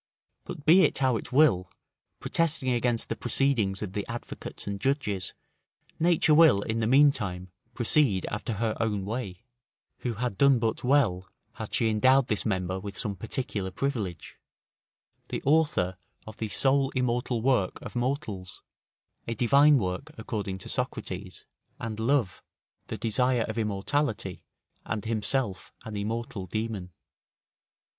But be it how it will, protesting against the proceedings of the advocates and judges, nature will, in the meantime, proceed after her own way, who had done but well, had she endowed this member with some particular privilege; the author of the sole immortal work of mortals; a divine work, according to Socrates; and love, the desire of immortality, and himself an immortal demon.